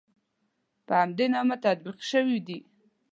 په همدې نامه تطبیق شوي دي.